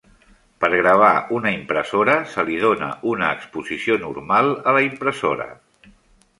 Per gravar una impressora, se li dóna una exposició normal a la impressora.